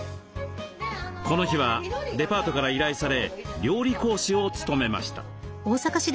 この日はデパートから依頼され料理講師を務めました。